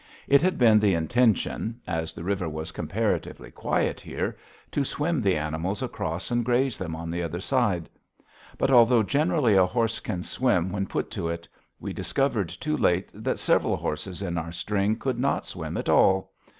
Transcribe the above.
It had been the intention, as the river was comparatively quiet here, to swim the animals across and graze them on the other side. But, although generally a horse can swim when put to it, we discovered too late that several horses in our string could not swim at all.